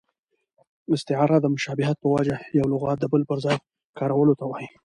استعاره د مشابهت په وجه یو لغت د بل پر ځای کارولو ته وايي.